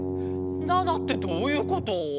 ７ってどういうこと？